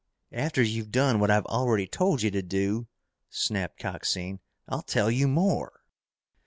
"After you've done what I've already told you to do," snapped Coxine, "I'll tell you more!"